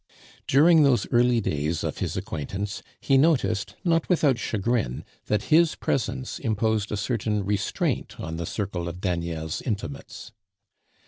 During those early days of his acquaintance, he noticed, not without chagrin, that his presence imposed a certain restraint on the circle of Daniel's intimates.